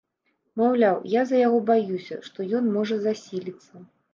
Маўляў, я за яго баюся, што ён можа засіліцца.